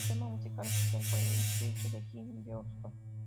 El tema musical oficial fue ""Fight"" de Jim Johnston.